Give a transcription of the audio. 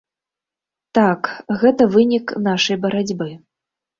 Так, гэта вынік нашай барацьбы.